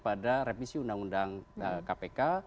pada revisi undang undang kpk